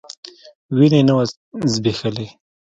وينه يې نه وه ځبېښلې.